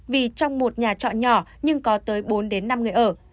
vì trong một nhà chọn nhỏ nhưng có tới bốn năm người ở